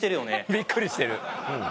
びっくりしてる。